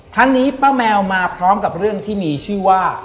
ครั้งนี้ป้าแมวมาพร้อมกับเรื่องที่มีชื่อว่า